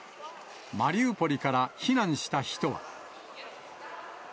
マリウポリから避難した人は。